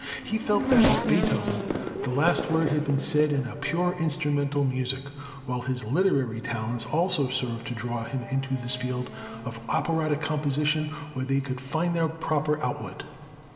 He felt that with Beethoven the last word had been said in pure instrumental music, while his literary talents also served to draw him into this field of operatic composition where they could find their proper outlet.